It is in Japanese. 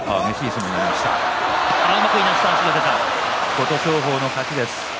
琴勝峰の勝ちです。